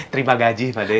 terima gaji pakde